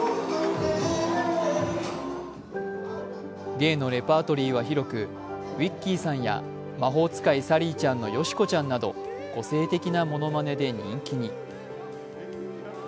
芸のレパートリーは広く、ウィッキーさんや「魔法使いサリーちゃん」のよし子ちゃんなど個性的なものまねで人気に。